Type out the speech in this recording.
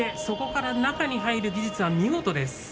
そこから中に入る技術は見事です。